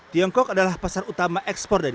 pembangunan durian ekspor